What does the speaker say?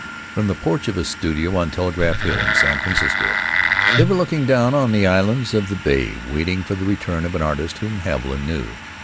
From the porch of a studio on Telegraph Hill, in San Francisco, they were looking down on the islands of the bay, waiting for the return of an artist whom Haviland knew.